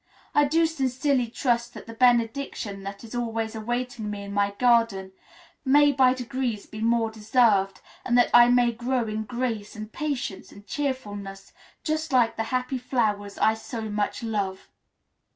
I do sincerely trust that the benediction that is always awaiting me in my garden may by degrees be more deserved, and that I may grow in grace, and patience, and cheerfulness, just like the happy flowers I so much love.